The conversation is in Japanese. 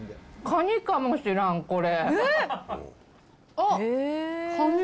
カニかもしらん、これ。